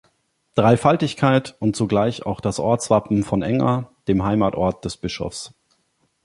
Dreifaltigkeit und zugleich auch das Ortswappen von Enger, dem Heimatort des Bischofs.